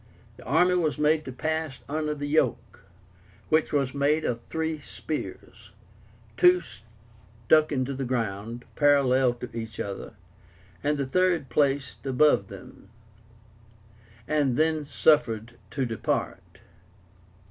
The army was made to pass under the yoke, which was made of three spears, two stuck into the ground parallel to each other and the third placed above them, and then suffered to depart.